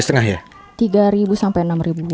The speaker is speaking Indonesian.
tiga ribu sampai enam ribu an